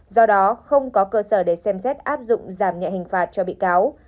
do đó không có cơ sở để xem xét áp dụng giảm nhẹ hình phạt cho bị cáo